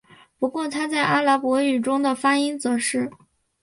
不过它在阿拉伯语中的发音则是。